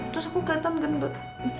terus aku keliatan gendut